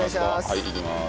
はいいきます。